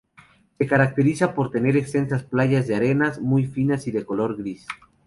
Se caracteriza por tener extensas playas de arenas muy finas y de color gris.